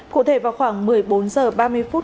cụ thể vào khoảng một mươi bốn h ba mươi phút